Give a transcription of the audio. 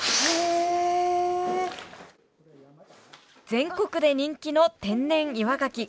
全国で人気の天然岩ガキ。